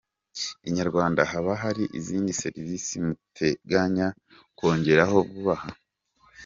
Inyarwanda: Haba hari izindi serivisi muteganya kwongeraho vuba ha?.